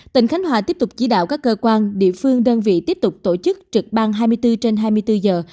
tỉnh khánh hòa tiếp tục chỉ đạo các cơ quan địa phương đơn vị tiếp tục tổ chức trực ban hai mươi bốn trên hai mươi bốn giờ